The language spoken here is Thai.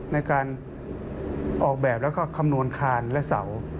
ในการออกแบบแล้วก็คำนวณคานและเสา